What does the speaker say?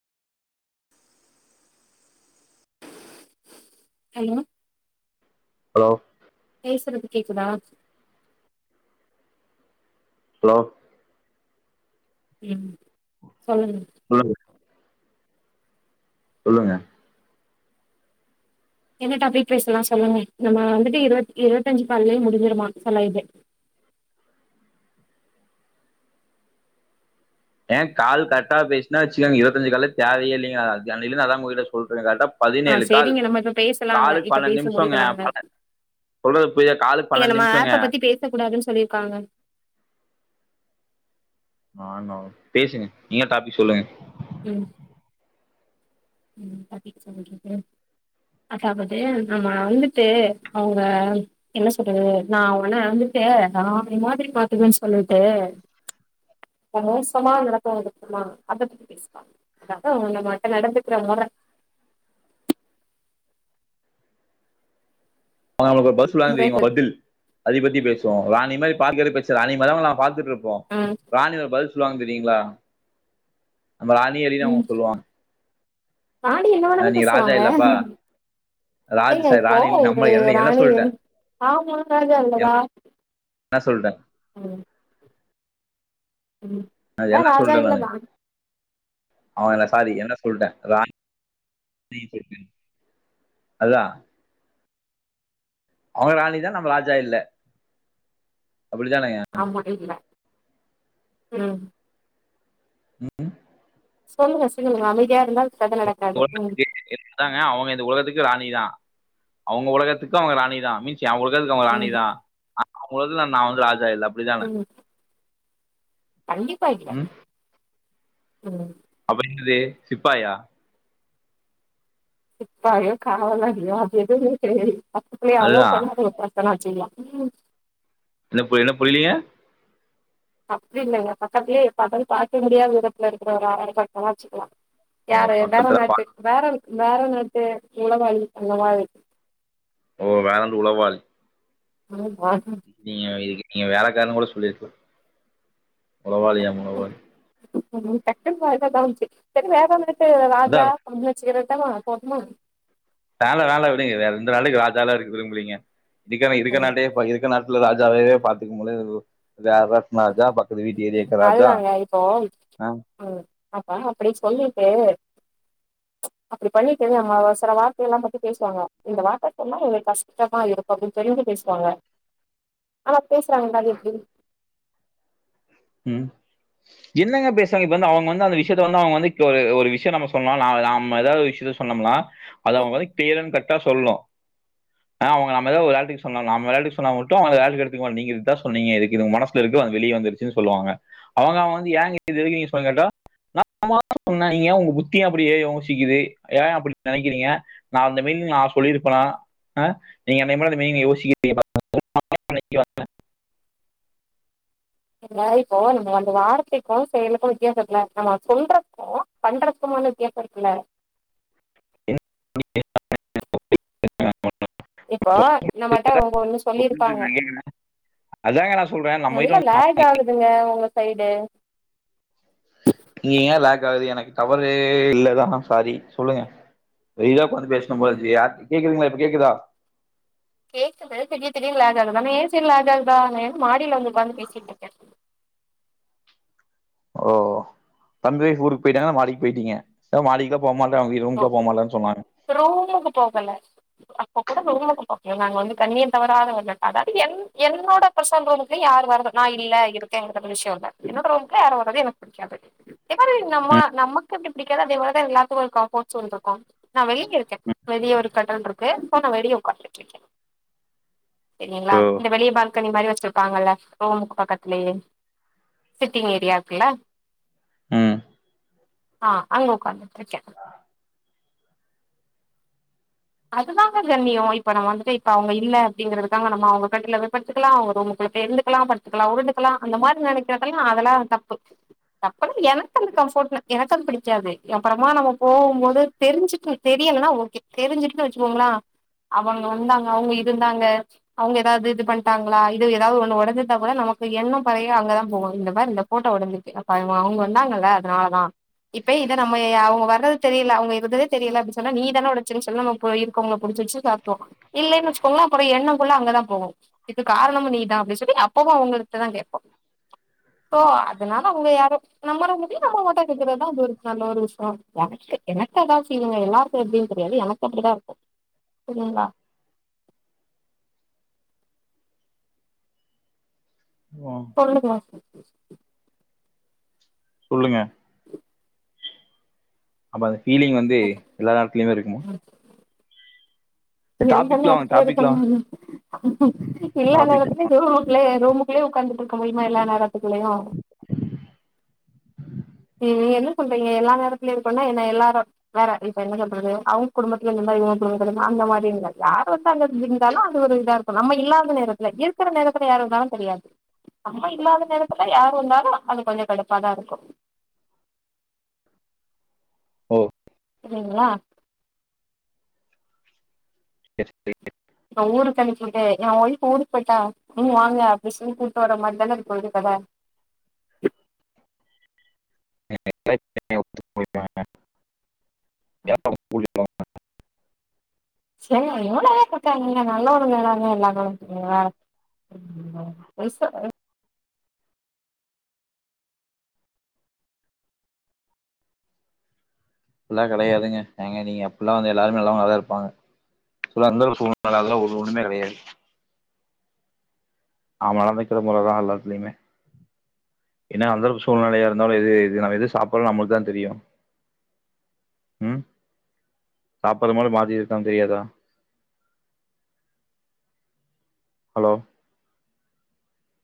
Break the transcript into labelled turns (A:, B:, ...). A: Hello
B: hello
A: பேசுறது கேக்குதா
B: hello
A: ம் சொல்லுங்க
B: சொல்லுங்க சொல்லுங்க
A: என்ன டாப்பிக் பேசலா சொல்லுங்க நம்ம வந்துட்டு இருவத் இருவத்தஞ்சு கால்லயே முடிஞ்சுருமா செல்லாயிட்டு
B: ஏ கால் கரக்டா பேசினா வச்சுக்கோங்க இருபத்தஞ்சு கால்லே தேவையே இல்லிங்க அது இல்லினா அதா உயிர சொல்றே கரெக்டா
A: ஆ
B: பதினேழு கால்
A: சேரிங்க நம்ம இப்ப பேசலாங்க
B: காலுக்கு
A: இப்ப
B: பன்னெண்டு
A: பேசி
B: நிமிஷோம்ங்க
A: முடிக்கலாங்க
B: ப சொல்றது புரிதா காலுக்கு பன்னெண்டு நிமிஷோங்க
A: வெட்ட கூடாதுன்னு சொல்லிருக்காங்க
B: நா னோ பேசுங்க நீங்க டாப்பிக் சொல்லுங்க
A: ம் ம் பாத்திட் சொல்றே ஃப்ரோ அதாவுது நம்ம வந்துட்டு அவுங்க என்ன சொல்றது நா உன வந்துட்டு ராணி மாதிரி பாத்துக்குவனு சொல்லிட்டு மோசமா நடத்துவாங்க பாத்தீங்ளா அத பத்தி பேசுவாங்க அதா அவுங்க நம்மகிட்ட நடந்துக்கிற மொற
B: ஆனா நம்மளுக்கு ஒரு பஸ் தா தெய்வோ
A: முறைகள்
B: பதில் அதை பத்தி பேசுவோ ராணி மாரி பாக்றது பெருசு ராணி மாதிரி தா உங்கள பாத்துட்டு இருப்போ
A: ஆ
B: ராணில ஒரு பதில் சொல்லுவாங்க தெரியீங்ளா நம்ம ராணி எழிலு சொல்லுவாங்க
A: ராணி என்ன
B: அஹ்
A: வேணாலு
B: நீங்க ராஜா
A: பேசுவாங்க
B: இல்லப்பா ராஜ்
A: ஏங்க
B: சாரி
A: இப்போ
B: ராணி இல்ல, நம்ம
A: ஒரு
B: என்ன என்ன
A: ராணி வேணு
B: சொல்லிட்டேன்
A: ஆமா ராஜா இல்லையா
B: நா சொல்றே
A: ம் ம்
B: நான்
A: அதா
B: என்ன
A: ராஜா
B: சொல்லிட்டேன் நானு
A: இல்லதா
B: அவன் என்ன சாரி என்ன சொல்லிட்ட ராணி பி ஜே பீ அதா அவுங்க ராணிதா நம்ம ராஜா இல்ல அப்டித்தானங்க
A: ஆமா இல்ல ம்
B: ம்
A: சொல்லுங்க சொல்லுங்க அமைதியா இருந்தால்
B: [unintelligible] இந்தாங்க அவுங்க இந்த உலகத்துக்கு ராணி தா அவுங்க உலகத்து அவுங்க ராணிதா மின்ஸ் அவுங்க உலகத்துக்கு அவுங்க ராணி
A: ம்,
B: தா அவுங்க உலகத்துல நா வந்து ராஜா இல்ல அப்டிதான
A: ம் கண்டிப்பா வைக்கிறே ம்
B: அப்டி என்னது சிப்பாய்யா
A: சிப்பாயோ காவலாலியோ அது எது தெரியாது பக்கத்திலே அலோ
B: அதுதா
A: பண்ணாதீங்கப்பா அப்பனா வைச்சிகிலா ம்
B: என்ன புரில என்ன புரிலிங்க
A: அப்டி இல்லைங்க பக்கத்துலயே பாத்தாலுமே பாக்க முடியாத தூரத்துல இருக்கிற ஒரு ஆள வேலைக்கு வேணா வச்சிக்குலா
B: ஓ
A: யார வேற
B: பக்கத்துல பா
A: நாட்டு வேற வேறநாட்டு உழவாளி அந்த மாரி
B: ஓ வேறண்டு உழைவாளி
A: ஓ பாட்டி
B: நீங்க இதுக்கு நீங்க வேலைக்காரன்னு கூட சொல்லிருக்கலா ஆ உழவாளியாவு
A: ட்க்குன்னு வாயில அதா வந்துச்சு செரி வேற நாட்டு
B: அதா
A: ராஜா உங்கள அடிச்சுக்க ரெட்டமா போதுமா
B: வேல வேல விடுங்க வேற இந்த வேலைக்கு ராஜாவா இருக்க விரும்பிலிங்க இதிகென இடுகெனாட்டே போயிறு இருக்க நாட்ல ராஜாவே பாத்துக்க முல்ல இதுல வேற நாட் ராஜா பக்கத்து வீட்டு ஏரியாவுக்கு ராஜா
A: அதுதாங்க இப்போ
B: ஆ
A: ம் அப்பா அப்டி சொல்லிட்டு அப்டி பண்ணிட்டு நம்மோ சில வார்த்தையெல்லா பத்தி பேசுவாங்க இந்த வார்த்த சொன்னா இவங்கள்கு கஷ்டமா இருக்கு அப்டின்னு தெரிஞ்சு பேசுவாங்க ஆனா பேசுறாங்கதா அது எப்டினு
B: ம் என்னங்க பேசுவாங்க இப்ப வந்து அவங்க வந்து அந்த விஷயத்த வந்து அவங்க வந்து கொ ஒர் ஒரு விஷயோ நம்ம சொன்னா நா நம்ம ஏதாவுது விஷியோ சொன்னம்னா அது அவங்க வந்து கீலீயர் அன்ட் கட்டா சொல்னு
A: [inaudible]
B: ஆ அவங்க நம்ம ஏதாது வெளாட்டிக்கு சொன்னா நம்ம வெளாட்டிக்கு சொன்னா மட்டு அத வெளாட்டிக்கு எடுத்துக்க மாட்டா நீங்க இததா சொன்னீங்க எதுக்கு இது ஒங்க மனசுல இருக்கோ அது வெளிய வந்துரு இது சொல்லுவாங்க அவங்க வந்து ஏங்க சொல்ல கேட்டா [inaudible] சொன்ன நீங்க உங்க புத்தி ஏ அப்படி ஏ யோசிக்குது ஏ அப்டி நெனைக்குறிங்க நா அந்த மீனிங்க்ல நா சொல்லிருப்பனா ஆ நீங்க என்னையபோல அந்த மீனிங் [inaudible] [inaudible] வந்த
A: [unintelligible] நம்ம வந்த வார்த்தைக்கு செயலுக்கு வித்தியாசோ இருக்குல நம்ம சொல்லுறப்போ பண்றக்குமான வித்தியாசோ இருக்குல
B: [inaudible]
A: இப்போ நம்மட்ட அவுங்க ஒன்னு
B: புரிஞ்சுது
A: சொல்லிருப்பாங்க
B: நான் கேக்குறேன். அதாங்க நா சொல்றே நம்
A: இல்ல லேக் ஆகுதுங்க ஒங்க சைடு
B: நீ ஏ லேக் ஆகுது எனக்கு டவறே இல்லதா சாரி சொல்லுங்க வெளியிலே ஒக்காந்து பேசுனு போலருக்குது யாரு கேக்குதுங்களா இப்போ கேட்குதா
A: கேட்குது திடீர் திடீர்ன்னு லேக்கு ஆகுது ஆனா ஏ சைடு லேக்கு ஆகுதுதா நா ஏனா மாடியில வந்து ஒக்காந்து பேசிட்ருக்கே
B: ஓ ஓ தம்பி ஊருக்கு போயிட்டான்னா மாடிக்கு போயிட்டீங்க மாடிக்குலா போமாட்டே அவிங்க
A: ஓ
B: ரூம்குள்ள போமாட்டேன்னு சொன்னா
A: ரூமுக்கு போகல அப்ப கூட [unintelligible] நாங்க வந்து கண்ணியோ தவறாதவங்க அதாது என் என்னோட பர்சனல் ரூமுக்கு யாரு வரது நா இல்ல இருக்கேங்கிறது ஒரு விஷியோ இல்ல என்னோட ரூமுக்கு யாரு வரது எனக்கு புடிக்காது அதுமாரி எங்க அம்மா
B: ம்
A: நமக்கு எப்டி புடிக்காதோ அது மாரிதா எல்லாத்துக்கு இருக்கு [unintelligible] நா வெளிய இருக்கே வெளியே ஒரு [unintelligible] இருக்கு இப்போ நா வெளியே உக்கான்ட்டு இருக்கே தெரியுங்க்ளா
B: ஓ
A: இந்த வெளியே பால்கனி மாதிரி வச்சிருப்பாங்கல்ல ரூமுக்கு பக்கத்துலயே சிட்டிங் ஏரியா இருக்குல
B: ம்
A: ஆ அங்க ஒக்காந்துட்ருக்க அதுதாங்க கண்ணியோ இப்போ நம்ம வந்துட்டு இப்ப அவங்க இல்ல அப்டிங்க்றதுக்காக நம்ம அவங்க கட்டில்ல போய் படுத்துக்கலா அவங்க ரூமுக்குள்ள பேய் இருந்து க்கலா படுத்துக்கலா உருண்டுக்கலா அந்த மாரி நெனைக்கிறதெல்லா தப்பு அப்பனா எனக்கு அந்த கம்ஃபோர்ட்ன எனக்கு வந்து புடிக்காது அப்பறமா நம்ம போகும்போது தெரிஞ்சிப்போ தெரியலனா ஓகே தெரிஞ்சுட்டுன்னு வச்சுக்கோங்களா அவங்க வந்தாங்க அவங்க இருந்தாங்க அவங்க ஏதாது இது பண்ட்டாங்களா இது ஏதாவது ஒன்னு ஒடஞ்சிருந்தா கூட நமக்கு எண்ணோ பழய அங்கதா போவு இந்த மாதிரி இந்த போட்டோ ஒடஞ்சிட்டு அப்ப அவ அவங்க வந்தாங்கள அதுனாலதா இப்பயே இத நம்ம ஏ அவங்க வறது தெரியில அவுங்க இருந்ததே தெரியில அப்டினு சொன்னா நீதான ஒடச்சனு சொன்னா நாம இப்போ இருக்கவங்கள புடிச்சு வெச்சு [unintelligible] இல்லன்னு வச்சுக்கோங்க்ளே அப்பறோ எண்ணோ ஃபுள்ளா அங்கதா போவு இதுக்கு காரணமு நீதா அப்டின்னு சொல்லி அப்பொவு அவங்கள்ட்டதா கேட்போ தோ அதனால அவங்க யாரோ நம்மாள முடியு நம்ம ஓட்டா கேக்கறதுதா அது ஒரு நல்ல ஒரு விஷியோ எனக்கு எனக்கு அதா செய்வாங்க எல்லாருக்கு எப்டினு தெரியாது எனக்கு அப்டிதா இருக்கு சரிங்களா
B: ஓ
A: கொல்லுங்க
B: சொல்லுங்க அப்போ அந்த பீலிங் வந்து எல்லா நாட்கிலியு இருக்குமா
A: இங்க எல்லாமே
B: டாபிக்லா வாங்க
A: அத்துலது
B: டாபிக்லா
A: [unintelligible] தெரியாத
B: டாபிக்
A: ரூமுகுலே ரூமுக்குலே உக்காந்துட் இருக்க முடியுமா எல்லா நேரத்துக்குலயு ம் நீங்க என்ன சொல்றீங்க எல்லா நேரத்துலய பன்னா என்ன எல்லாரு வேற இப்ப என்ன சொல்றது அவுங் குடும்பத்துல இந்த மாரி இவுங் குடும்பத்து அந்த மாதிரி இருந்தாத யாரு வந்த இருந்தாலு அது ஒரு இதா இரு இப்ப நம்ம இல்லாத நேரத்துல இருக்கிற நேரத்துல யாரு வந்தாலு தெரியாது அம்மா இல்லாத நேரத்துல யாரு வந்தாலு அது கொஞ்ச கடுப்பாதா இருக்கு
B: ஓ
A: செரிங்ளா
B: [unintelligible]
A: நா ஊருக்கான்டி போய்டே எ ஒய்ஃப் ஊருக் போய்ட்டா து வாங்க அட்மிஷன்னு கூட்டு வர மாட்டனது அது போய்டுதான
B: [inaudible] [inaudible]
A: சரி அவனுக் எவ்ளவே குடுக்காங்க நல்ல ஒண்ணு வேடானு எல்லாமு சொங்க [inaudible] அ
B: அப்பில்லா கெடையாதுங்க ஏங்க நீங்க அப்பில்லா வந்து எல்லாருமே நல்லாவுங்களாதா இருப்பாங்க இப்பிலாந்த ஒரு சூழ்நில அதல ஒண்ணுமே கெடையாது ஆமா எல்லாரு நினக்கிற போலதா நல்லது செய்வே ஏனா அந்தளவு சூழ்நிலையா இருந்தாலு இது நம்ம எது சாப்பில்லா நம்பளுக்கு தா தெரியு ம் சாப்பிடறமா மாதி இததான் தெரியாதா ஹலோ